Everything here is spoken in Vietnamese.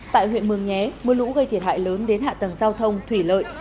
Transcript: tại huyện mường nhé mưa lũ gây thiệt hại lớn đến hạ tầng giao thông thủy lợi